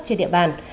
trên địa bàn